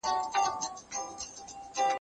تا چي ول باران به بالا وورېږي باره لمر سو